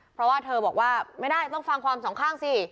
เพราะว่าเธอบอกว่าไม่ได้ต้องฟังความสองข้างสิ